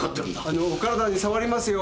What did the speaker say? あのーお体に障りますよ。